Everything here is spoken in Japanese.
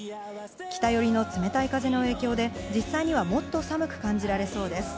北よりの冷たい風の影響で、実際にはもっと寒く感じられそうです。